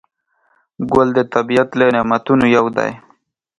ګل د طبیعت له نعمتونو یو دی.